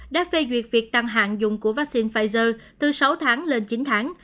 đã phê duyệt việc tăng hạng dùng của vaccine pfizer từ sáu tháng lên chín tháng